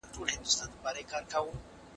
د خوني کونج کي یو نغری دی پکښي اور بلیږي